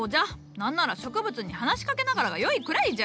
なんなら植物に話しかけながらがよいくらいじゃ！